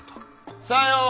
さよう。